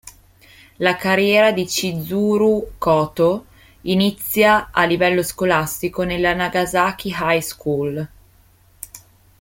La carriera di Chizuru Koto inizia a livello scolastico nella Nagasaki High School.